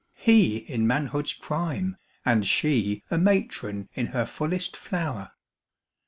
He in manhood's prime And she a matron in her fullest flower.